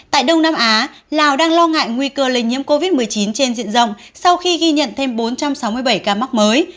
tại đông nam á lào đang lo ngại nguy cơ lây nhiễm covid một mươi chín trên diện rộng sau khi ghi nhận thêm bốn trăm sáu mươi bảy ca mắc mới